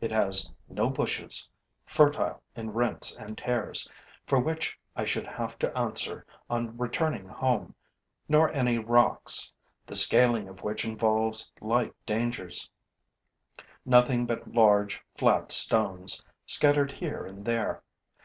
It has no bushes, fertile in rents and tears, for which I should have to answer on returning home, nor any rocks, the scaling of which involves like dangers; nothing but large, flat stones, scattered here and there.